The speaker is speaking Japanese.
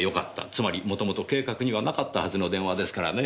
つまり元々計画にはなかったはずの電話ですからねえ。